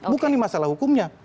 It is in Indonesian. bukan di masalah hukumnya